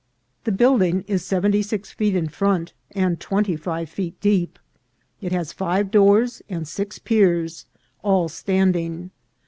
The building is seventy six feet in front and twenty five feet deep. It has five doors and six piers, all standing.